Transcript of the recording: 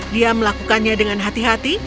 dia melakukannya dengan hati hati